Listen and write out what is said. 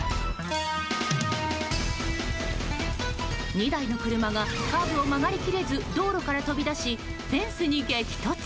２台の車がカーブを曲がり切れず道路から飛び出しフェンスに激突。